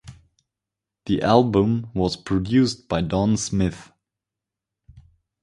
The album was produced by Don Smith.